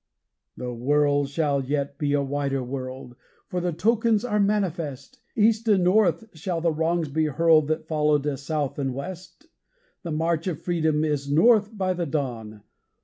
The world shall yet be a wider world for the tokens are manifest; East and North shall the wrongs be hurled that followed us South and West. The march of Freedom is North by the Dawn!